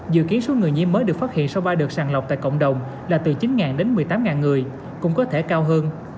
dự kiến số người nhiễm mới được phát hiện sau ba đợt sàng lọc tại cộng đồng là từ chín đến một mươi tám người cũng có thể cao hơn